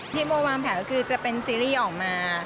โมวางแผนก็คือจะเป็นซีรีส์ออกมา